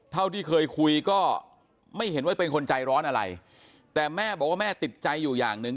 เท่าที่เคยคุยก็ไม่เห็นว่าเป็นคนใจร้อนอะไรแต่แม่บอกว่าแม่ติดใจอยู่อย่างหนึ่ง